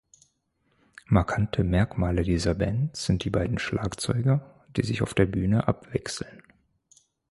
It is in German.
Markante Merkmale dieser Band sind die beiden Schlagzeuger, die sich auf der Bühne abwechseln.